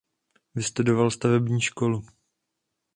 Vystudoval stavební školu.